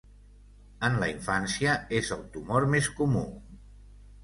En la infància, és el tumor més comú.